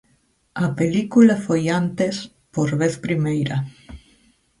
A película foi antes, por vez primeira.